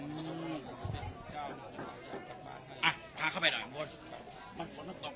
ข้าวเข้าไปหน่อยข้างบน